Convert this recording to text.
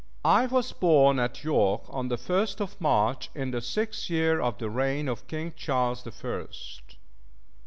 I was born at York on the first of March in the sixth year of the reign of King Charles the First.